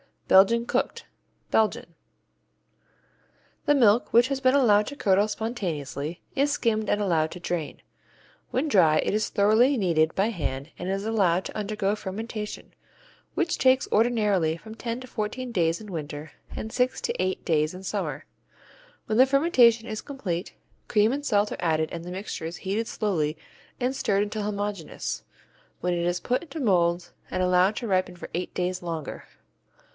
Belgian Cooked Belgium The milk, which has been allowed to curdle spontaneously, is skimmed and allowed to drain. When dry it is thoroughly kneaded by hand and is allowed to undergo fermentation, which takes ordinarily from ten to fourteen days in winter and six to eight days in summer. When the fermentation is complete, cream and salt are added and the mixture is heated slowly and stirred until homogeneous, when it is put into molds and allowed to ripen for eight days longer.